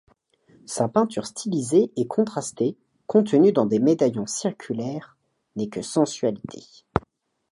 Sa peinture, stylisée et contrastée, contenue dans des médaillons circulaires, n’est que sensualité.